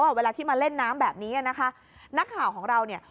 เวลาที่มาเล่นน้ำแบบนี้นะคะนักข่าวของเราเนี่ย